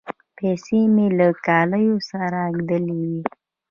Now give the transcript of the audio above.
پیسې مې له کالیو سره ګنډلې وې.